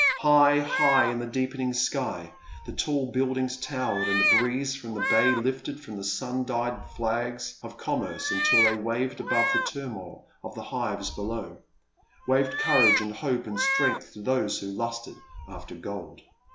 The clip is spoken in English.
High, high, in the deepening sky the tall build ings towered, and the breeze from the bay lifted the sun dyed flags of commerce until they waved above the turmoil of the hives below — waved courage and hope and strength to those who lusted after gold.